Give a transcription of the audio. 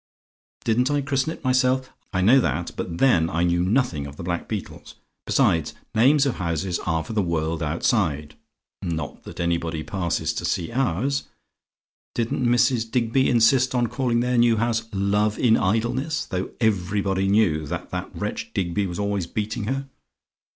"DIDN'T I CHRISTEN IT MYSELF? "I know that, but then, I knew nothing of the black beetles. Besides, names of houses are for the world outside; not that anybody passes to see ours. Didn't Mrs. Digby insist on calling their new house 'Love in Idleness,' though everybody knew that that wretch Digby was always beating her?